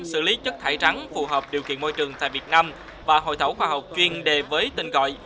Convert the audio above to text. xử lý chất thải rắn phù hợp điều kiện môi trường tại việt nam và hội thảo khoa học chuyên đề với tên gọi